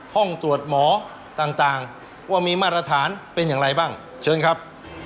ห้องตรวจหมอต่างว่ามีมาตรฐานเป็นอย่างไรบ้างเชิญครับ